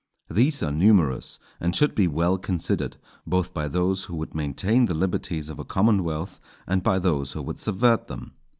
These are numerous, and should be well considered, both by those who would maintain the liberties of a commonwealth and by those who would subvert them.